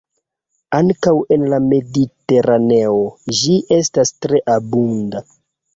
Ankaŭ en la Mediteraneo ĝi estas tre abunda.